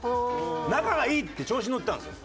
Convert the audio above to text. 仲がいいって調子に乗ってたんですよ。